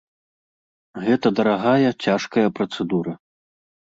Гэта дарагая, цяжкая працэдура.